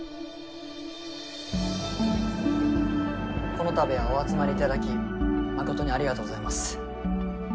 この度はお集まりいただき誠にありがとうございます。